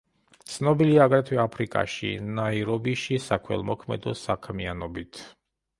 ცნობილია აგრეთვე აფრიკაში, ნაირობიში საქველმოქმედო საქმიანობით.